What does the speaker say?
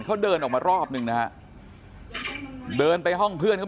เขาเดินออกมารอบหนึ่งนะฮะเดินไปห้องเพื่อนเขา